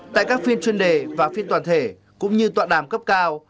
tại các phiên chuyên đề và phiên toàn thể cũng như tọa đàm cấp cao